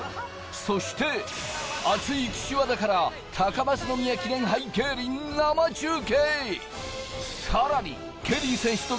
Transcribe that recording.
そして、アツい岸和田から、高松宮記念杯競輪生中継。